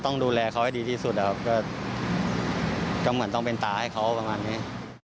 ต้องดูแลเขาให้ดีที่สุดนะครับก็เหมือนต้องเป็นตาให้เขาประมาณนี้